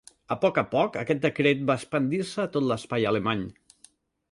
A poc a poc, aquest decret va expandir-se a tot l'espai alemany.